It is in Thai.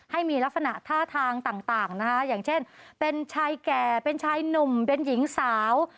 ให้มีลักษณะท่าทางต่างนะคะอย่างเช่นเป็นชายแก่เป็นชายหนุ่มเป็นหญิงสาว